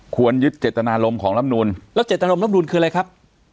ควรยึดเจตนารมณ์ของลำนูนแล้วเจตนารมนคืออะไรครับ